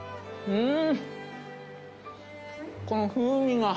うん。